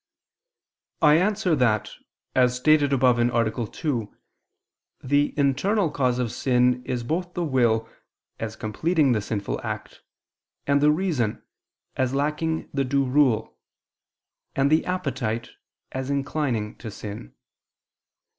I answer that, As stated above (A. 2), the internal cause of sin is both the will, as completing the sinful act, and the reason, as lacking the due rule, and the appetite, as inclining to sin.